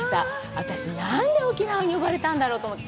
私、何で沖縄に呼ばれたんだろうと思って。